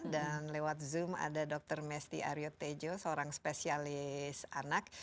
dan lewat zoom ada dr mesty aryo tejo seorang spesialis anak